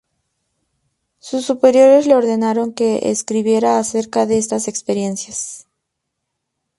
Sus superiores le ordenaron que escribiera acerca de estas experiencias.